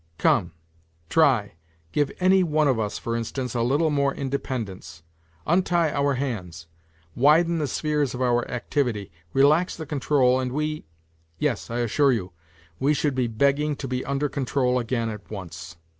Come, try, give any one of us, for instance, a little more independence, untie our hands, widen the spheres of our activity, relax the control and we ... yes, I assure you ... we should be begging to be under control again at once.